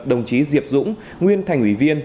đồng chí diệp dũng nguyên thành ủy viên